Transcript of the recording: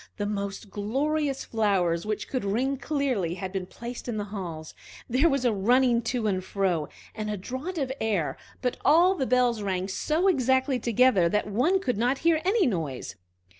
The most glorious flowers, which could ring clearly, had been placed in the halls. There was a running to and fro, and a draught of air, but all the bells rang so exactly together that one could not hear any noise.